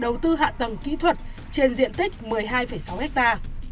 đầu tư hạ tầng kỹ thuật trên diện tích một mươi hai sáu hectare